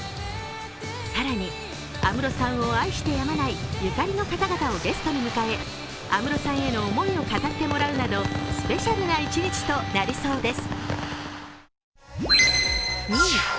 更に安室さんを愛してやまないゆかりの方々をゲストに迎え安室さんへの思いを語ってもらうなど、スペシャルな一日となりそうです。